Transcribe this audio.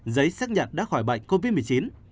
giấy xác nhận đã khỏi bệnh covid một mươi chín